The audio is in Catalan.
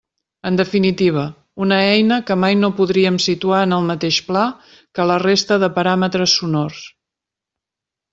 En definitiva: una eina que mai no podríem situar en el mateix pla que la resta de paràmetres sonors.